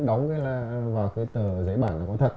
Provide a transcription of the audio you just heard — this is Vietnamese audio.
đóng vào cái tờ giấy bản nó có thật